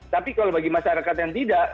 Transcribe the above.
tapi kalau bagi masyarakat yang tidak